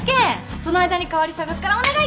その間に代わり探すからお願い！